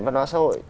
văn hóa xã hội